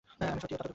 আমি সত্যিই দুঃখিত।